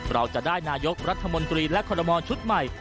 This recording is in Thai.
เราจะได้นายกรัฐมนตรีและคอลโมชุดใหม่